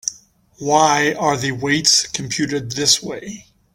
Why are the weights computed this way?